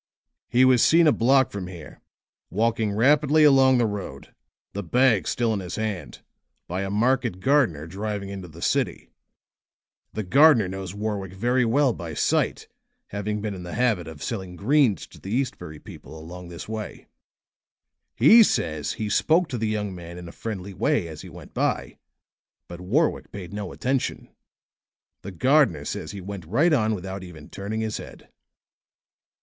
"He was seen a block from here, walking rapidly along the road, the bag still in his hand, by a market gardener driving into the city. The gardener knows Warwick very well by sight, having been in the habit of selling greens to the Eastbury people along this way. He says he spoke to the young man in a friendly way as he went by; but Warwick paid no attention; the gardener says he went right on without even turning his head."